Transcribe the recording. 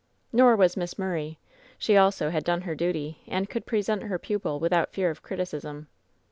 "Nor was Miss Murray. She also had done her duty and could present her pupil without fear of criticism.